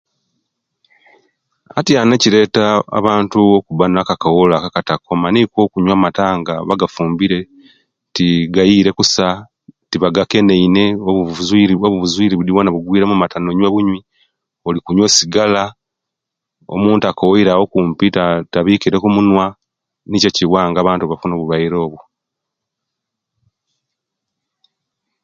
Atiyanu ekireta abantu okuba nakakoolo ako etikakoma nokwo abantu okunyuwa amata nga abagafumbire tigayire kusa kusa tibagkeneine, obuzuiri budi bwona bugwire omumata olikunyawa bunywi, oikunyuwa sigala, omuntu akoweire awo okumpi tawikire ku omunwa nikyo ekiwa nga abantu bafuna obulwaire obwo